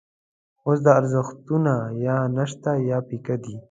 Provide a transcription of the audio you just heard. اوس دا ارزښتونه یا نشته یا پیکه دي.